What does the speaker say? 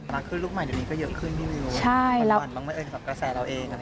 มาคือลูกใหม่เดี๋ยวนี้ก็เยอะขึ้นพี่วิว